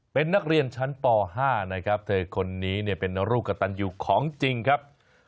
เป็นนักเรียนชั้นป๕นะครับเธอคนนี้เนี่ยเป็นลูกกระตันอยู่ของจริงครับ